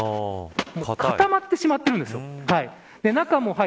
かたまってしまってるんです。